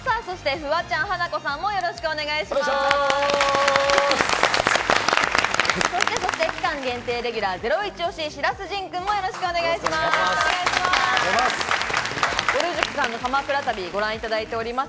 フワちゃん、ハナコさんもよろしくお願いします。